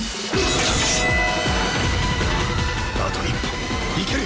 あと１本いける！